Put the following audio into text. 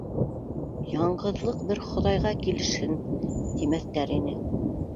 - Яңғыҙлыҡ бер Хоҙайға килешһен, тимәҫтәр ине...